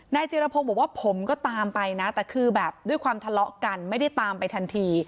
จิรพงศ์บอกว่าผมก็ตามไปนะแต่คือแบบด้วยความทะเลาะกันไม่ได้ตามไปทันที